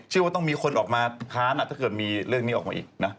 ว่าต้องมีคนออกมาค้านถ้าเกิดมีเรื่องนี้ออกมาอีกนะ